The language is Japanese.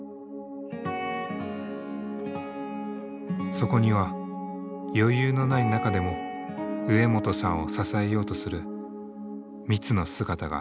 そこには余裕のない中でも植本さんを支えようとするミツの姿があった。